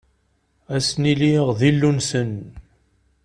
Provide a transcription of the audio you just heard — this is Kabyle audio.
A sen-iliɣ d Illu-nsen.